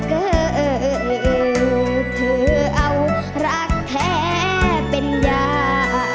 เออเธอเอารักแท้เป็นยา